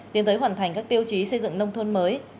tiến tới hoàn thành các tiêu chí xây dựng nông thôn mới